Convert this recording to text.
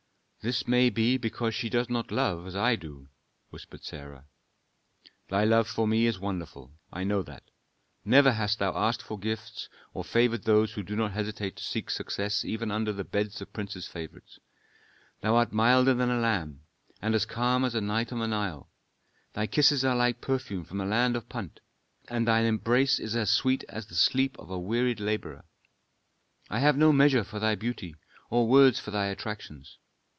"This may be because she does not love as I do," whispered Sarah. "Thy love for me is wonderful, I know that. Never hast thou asked for gifts, or favored those who do not hesitate to seek success even under the beds of princes' favorites. Thou art milder than a lamb, and as calm as a night on the Nile. Thy kisses are like perfume from the land of Punt, and thy embrace as sweet as the sleep of a wearied laborer. I have no measure for thy beauty, or words for thy attractions.